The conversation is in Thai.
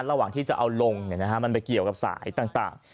ระหว่างที่จะเอาลงมันไปเกี่ยวกับสายต่าง